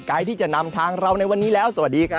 ใครที่จะนำทางเราในวันนี้แล้วสวัสดีครับ